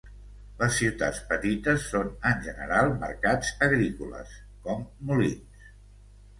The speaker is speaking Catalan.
Les ciutats, petites, són en general mercats agrícoles, com Moulins.